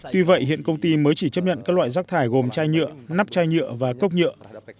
tuy vậy hiện công ty mới chỉ chấp nhận các loại rác thải gồm chai nhựa nắp chai nhựa và cốc nhựa